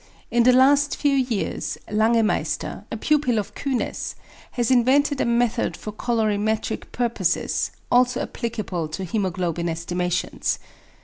In the last few years, Langemeister, a pupil of Kühne's, has invented a method for colorimetric purposes, also applicable to hæmoglobin estimations.